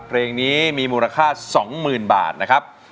เพลงนี้มีมูลค่าสองหมื่นบาทนะครับ